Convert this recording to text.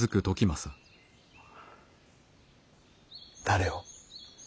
誰を。